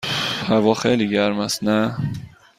هوا خیلی گرم است، نه؟